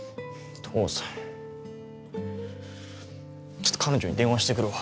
ちょっと彼女に電話してくるわ。